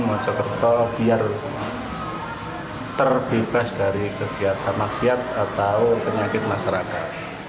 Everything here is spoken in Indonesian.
mojokerto biar terbebas dari kegiatan maksiat atau penyakit masyarakat